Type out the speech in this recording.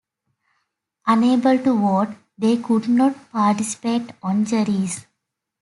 Unable to vote, they could not participate on juries.